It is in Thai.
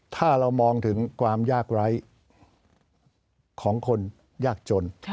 ถ้าเรามองถึงความยากไร้ของคนยากจน